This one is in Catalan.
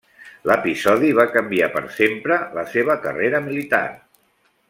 L'episodi va canviar per sempre la seva carrera militar.